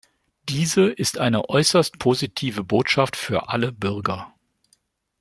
Diese ist eine äußerst positive Botschaft für alle Bürger.